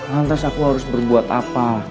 lantas aku harus berbuat apa